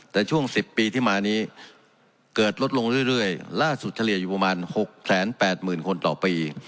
แต่ช่วง๑๐ปีที่มานี้เกิดลดลงเรื่อยล่าสุดเฉลี่ยอยู่ประมาณ๖๘๐๐๐คนต่อปี